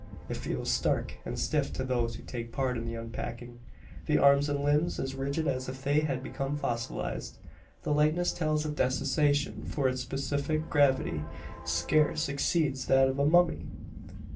It feels stark and stiff to those who take part in the unpacking, the arms and limbs as rigid as if they had become fossilised. The lightness tells of desiccation: for its specific gravity scarce exceeds that of a mummy!